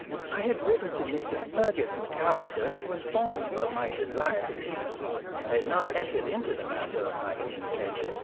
I had written to Mr. Fergus McAlister to inform him of my desire to see him. I had not entered into the matter of my communication.